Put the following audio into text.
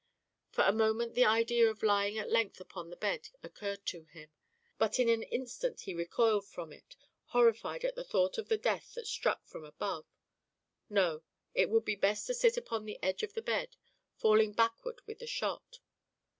For a moment the idea of lying at length upon the bed occurred to him, but in an instant he recoiled from it, horrified at the thought of the death that struck from above; no, it would be best to sit upon the edge of the bed, falling backward with the shot.